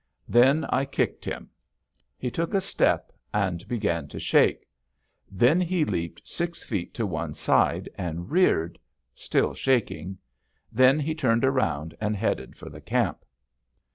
Then I kicked him. He took a step and began to shake. Then he leaped six feet to one side and reared, still shaking. Then he turned round and headed for the camp.